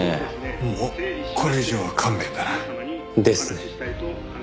もうこれ以上は勘弁だな。ですね。